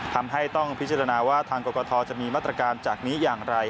ต้องพิจารณาว่าทางกรกฐจะมีมาตรการจากนี้อย่างไร